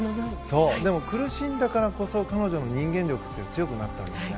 苦しんだからこそ彼女の人間力って強くなったんですね。